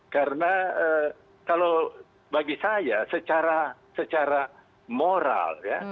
karena kalau bagi saya secara moral ya